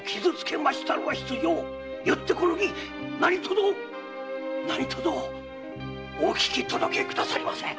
よってこの儀何とぞお聞き届けくださいませ！